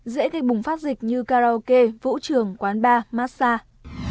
dễ gây bùng phát dịch như karaoke vũ trường quán bar massage